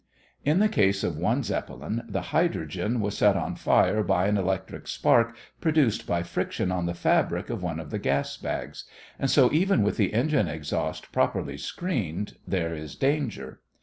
In the case of one Zeppelin, the hydrogen was set on fire by an electric spark produced by friction on the fabric of one of the gas bags, and so even with the engine exhausts properly screened there is danger.